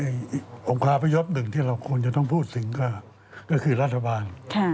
องค์คาพยพหนึ่งที่เราควรจะต้องพูดถึงก็คือรัฐบาล